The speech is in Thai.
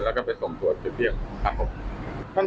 ว่าดีเนตรงกันหรืออะไร